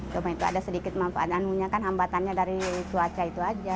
cuma itu ada sedikit manfaat anunya kan hambatannya dari cuaca itu aja